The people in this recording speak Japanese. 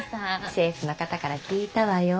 政府の方から聞いたわよ。